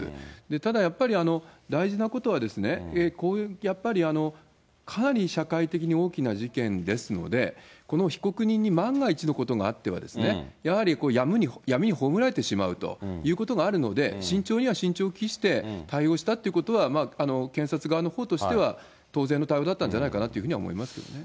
ただやっぱり、大事なことはですね、やっぱり、かなり社会的に大きな事件ですので、この被告人に万が一のことがあってはですね、やはり闇に葬られてしまうということがあるので、慎重には慎重を期して対応したということは、検察側のほうとしては、当然の対応だったんじゃないかなというふうには思いますよね。